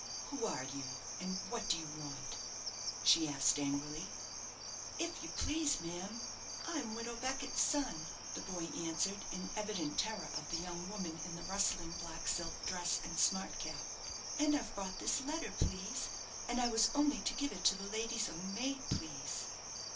"Who are you, and what do you want?" she asked angrily. "If you please, ma'am, I'm Widow Beckett's son," the boy answered, in evident terror of the young woman in the rustling black silk dress and smart cap; "and I've brought this letter, please; and I was only to give it to the lady's own maid, please.